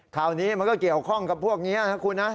ข่าวนี้มันก็เกี่ยวข้องกับพวกนี้นะคุณนะ